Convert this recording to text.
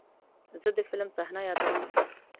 زه د فلم صحنه یادوم.